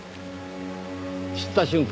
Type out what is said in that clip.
知った瞬間